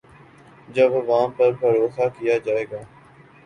جب عوام پر بھروسہ کیا جائے گا۔